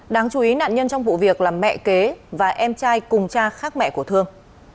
đáng chú ý nạn nhân trong vụ việc là mẹ kế và em trai cùng cha khác mẹ của thương